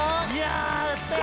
やったよ！